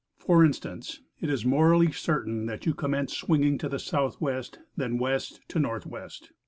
For instance; it is morally certain that you commenced swinging to southwest, then west, to northwest.